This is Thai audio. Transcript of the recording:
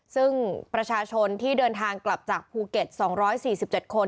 ซึ่งประชาชนที่เดินทางกลับจากภูเก็ต๒๔๗คน